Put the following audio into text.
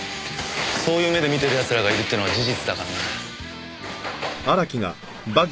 そういう目で見てる奴らがいるっていうのは事実だからな。